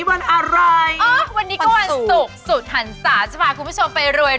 แม่ลูกขา